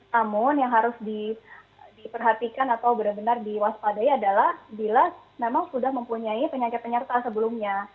namun yang harus diperhatikan atau benar benar diwaspadai adalah bila memang sudah mempunyai penyakit penyerta sebelumnya